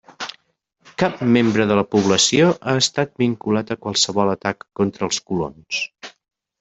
Cap membre de la població ha estat vinculat a qualsevol atac contra els colons.